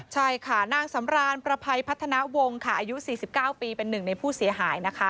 ใช่ค่ะนางสำรานประภัยพัฒนาวงศ์ค่ะอายุ๔๙ปีเป็นหนึ่งในผู้เสียหายนะคะ